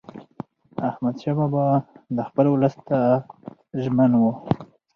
احمدشاه بابا د خپل ولس خدمت ته ژمن و.